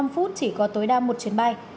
năm phút chỉ có tối đa một chuyến bay